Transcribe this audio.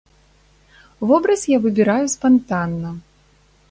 Вобраз я выбіраю спантанна.